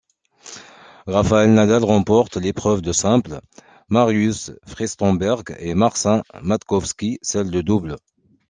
Rafael Nadal remporte l'épreuve de simple, Mariusz Fyrstenberg et Marcin Matkowski celle de double.